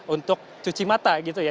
untuk cuci mata gitu ya